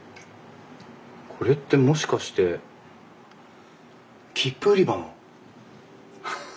これってもしかして切符売り場の？